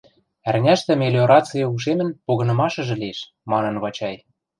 Ӓрняштӹ мелиораци ушемӹн погынымашыжы лиэш, — манын Вачай.